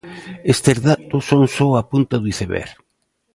Estes datos son só a punta do iceberg.